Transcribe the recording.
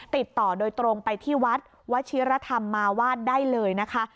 ติดต่อโดยตรงไปที่วัดวชิรธรรมมาวาดได้เลยนะคะ